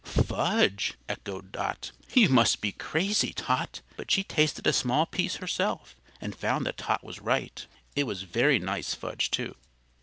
"Fudge!" echoed Dot. "You must be crazy, Tot." But she tasted a small piece herself and found that Tot was right. It was very nice fudge, too.